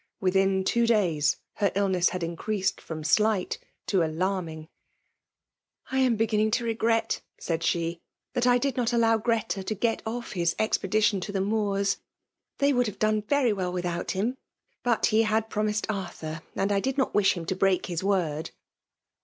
Within two days, her illness had increased from slight to alanning. " I am beginning to regret,*' said she, '^ that I did not allow Greta to get off his expedition to the Moors. They would have done very well without him ; but he had promised Ar thur, and I did not wish him to break his word."